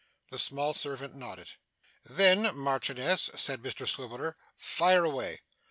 The small servant nodded. 'Then, Marchioness,' said Mr Swiveller, 'fire away!